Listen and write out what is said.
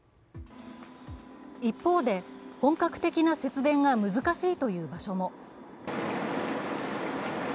一方で、本格的な節電が難しいという場所も。